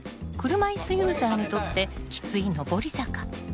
車いすユーザーにとってきつい上り坂。